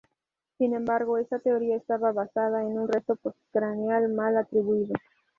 Sin embargo esta teoría estaba basada en un resto postcraneal mal atribuido.